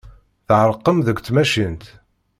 Tɛerqem deg tmacint.